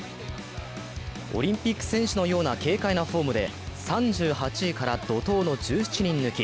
オリンピック選手のような軽快なフォームで３８位から怒とうの１７人抜き。